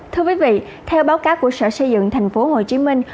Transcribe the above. thưa quý vị theo báo cáo của sở xây dựng thành phố hồ chí minh